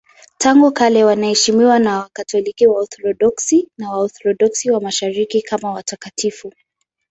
Tangu kale wanaheshimiwa na Wakatoliki, Waorthodoksi na Waorthodoksi wa Mashariki kama watakatifu.